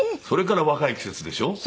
それから『若い季節』でしょ。